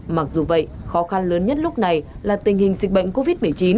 mặc dù vậy khó khăn lớn nhất lúc này là tình hình dịch bệnh covid một mươi chín